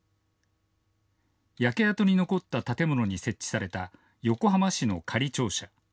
焼け跡に残った建物に設置された横浜市の仮庁舎。